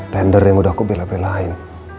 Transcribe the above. tender yang udah aku bela belain